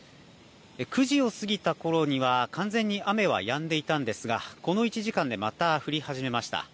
９時を過ぎたころには完全に雨はやんでいたんですがこの１時間でまた降り始めました。